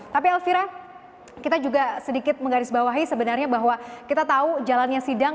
tapi elvira kita juga sedikit menggarisbawahi sebenarnya bahwa kita tahu jalannya sidang